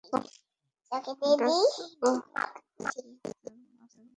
Glasgow, Beijing, Shanghai, Moscow, শিকাগোর মতো শহরেও সিসিটিভি বসানোর ফলে অপরাধ কমেছে।